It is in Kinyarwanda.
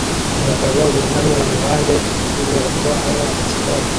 Umugabo yunamye iruhande rw'inyubako anywa ikinyobwa